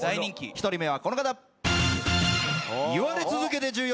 １人目はこの方。